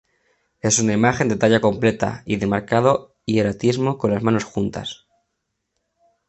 Es una imagen de talla completa y de marcado hieratismo con las manos juntas.